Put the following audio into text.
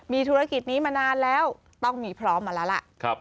มีธุรกิจนี้มานานแล้วต้องมีพร้อมมาแล้วล่ะ